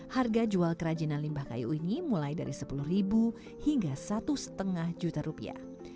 harga jual kerajinan limbah kayu ini mulai dari sepuluh ribu hingga satu lima juta rupiah